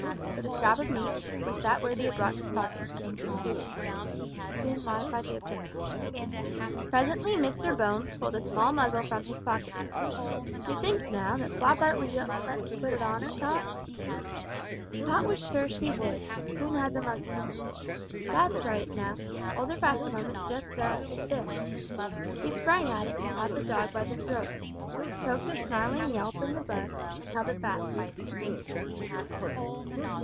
But a scrap of meat, which that worthy had brought in his pocket, and a few soothing words, soon modified the objection. Presently Mr Bones pulled a small muzzle from his pocket. "D'you think, now, that Floppart would let you put it on 'er, Tot?" Tot was sure she would, and soon had the muzzle on. "That's right; now, hold 'er fast a moment just a there !" He sprang at and caught the dog by the throat, choked a snarling yelp in the bud, and held it fast.